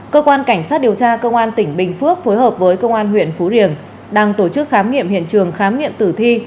cơ quan cảnh sát điều tra công an tp hcm phối hợp với công an huyện phú riềng đang tổ chức khám nghiệm hiện trường khám nghiệm tử thi